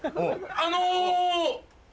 あの！